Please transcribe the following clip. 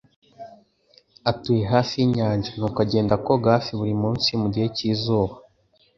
atuye hafi yinyanja, nuko agenda koga hafi buri munsi mugihe cyizuba.